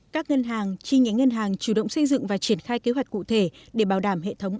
các ngân hàng chi nhánh ngân hàng chủ động xây dựng và triển khai kế hoạch cụ thể để bảo đảm hệ thống